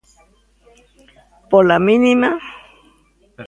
Pola mínima.